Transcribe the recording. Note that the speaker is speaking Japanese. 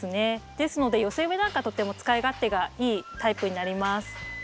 ですので寄せ植えなんかとても使い勝手がいいタイプになります。